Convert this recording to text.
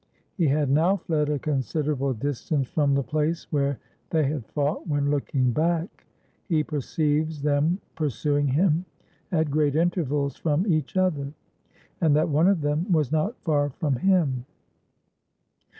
He had now fled a considerable distance from the place where they had fought, when, looking back, he perceives them pursuing him at great intervals from each other; and that one of them was not far from him.